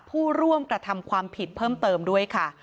ผู้ร่วมกระทำความผิดเพิ่มเติมด้วยค่ะ